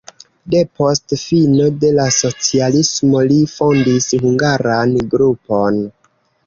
Depost fino de la socialismo li fondis hungaran grupon.